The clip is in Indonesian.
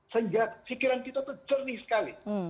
sejak pikiran kita itu jernih sekali